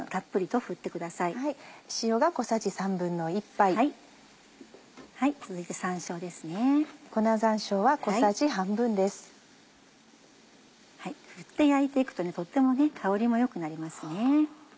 振って焼いて行くととっても香りも良くなりますね。